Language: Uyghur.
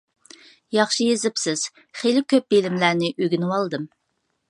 ياخشى يېزىپسىز، خېلى كۆپ بىلىملەرنى ئۆگىنىۋالدىم.